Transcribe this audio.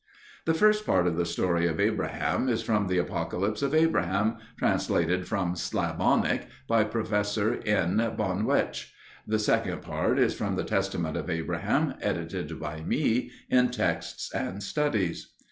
The first part of the story of Abraham is from The Apocalypse of Abraham, translated from Slavonic by Professor N. Bonwetsch; the second part is from The Testament of Abraham, edited by me in Texts and Studies.